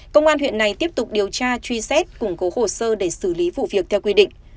công an huyện này tiếp tục điều tra truy xét củng cố hồ sơ để xử lý vụ việc theo quy định